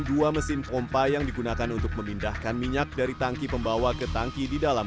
dua mesin pompa yang digunakan untuk memindahkan minyak dari tangki pembawa ke tangki di dalam